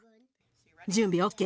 準備ＯＫ？